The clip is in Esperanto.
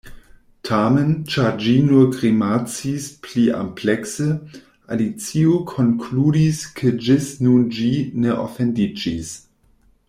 Tamen, ĉar ĝi nur grimacis pliamplekse, Alicio konkludis ke ĝis nun ĝi ne ofendiĝis.